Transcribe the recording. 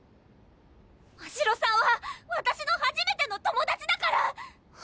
ましろさんはわたしのはじめての友達だから！